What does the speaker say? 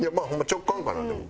直感かなでも。